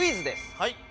はい。